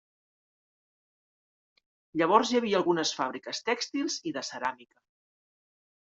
Llavors hi havia algunes fàbriques tèxtils i de ceràmica.